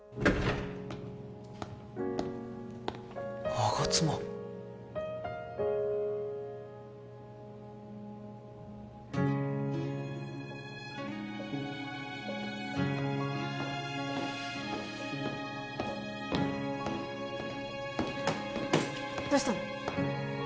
吾妻どうしたの？